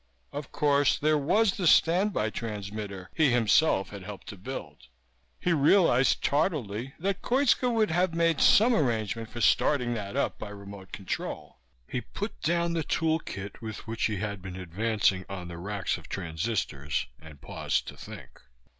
Of course, there was the standby transmitter he himself had helped to build. He realized tardily that Koitska would have made some arrangement for starting that up by remote control. He put down the tool kit with which he had been advancing on the racks of transistors, and paused to think.